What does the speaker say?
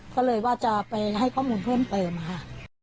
ก็เลยว่าจะไปให้ข้อมูลเพิ่มเติมค่ะ